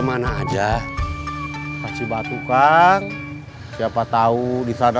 mak juga kangen